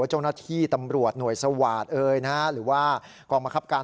เจ้าหน้าที่ตำรวจหน่วยสวาสตร์หรือว่ากองบังคับการ